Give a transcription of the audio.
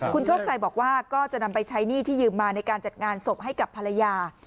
คุณโชคชัยบอกว่าก็จะนำไปใช้หนี้ที่ยืมมาในการจัดงานศพให้กับภรรยา